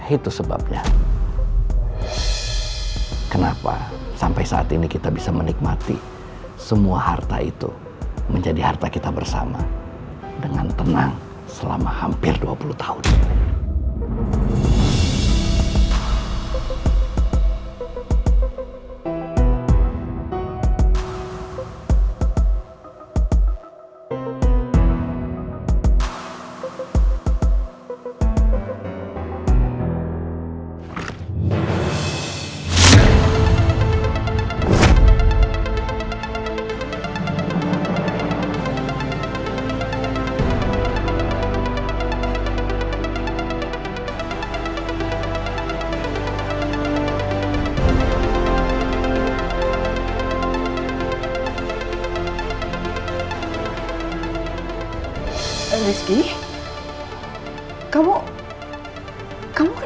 itu sebabnya kenapa sampai saat ini kita bisa menikmati semua harta itu menjadi harta kita bersama dengan tenang selama hampir dua puluh tahun